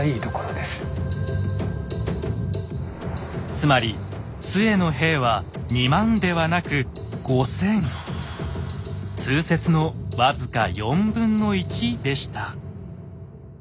つまり陶の兵は２万ではなく通説の僅か４分の１でした。